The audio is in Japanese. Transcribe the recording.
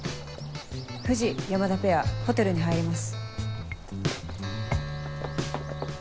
藤山田ペアホテルに入ります。